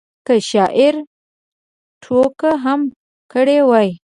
که شاعر ټوکه هم کړې وي.